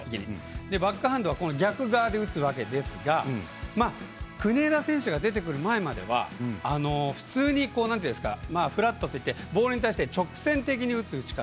バックハンドはこの逆側で打つわけですが国枝選手が出てくる前までは普通に、フラットといってボールに対して直線的に打つ打ち方。